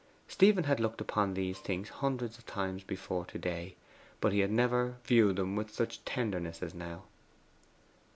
Stephen had looked upon these things hundreds of times before to day, but he had never viewed them with such tenderness as now.